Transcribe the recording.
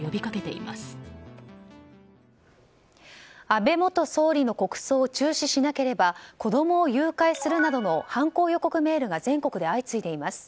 安倍元総理の国葬を中止しなければ子供を誘拐するなどの犯行予告メールが全国で相次いでいます。